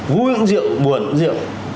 vui cũng rượu buồn cũng rượu